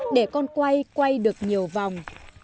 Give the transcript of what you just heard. để con quay quay được nhiều vòng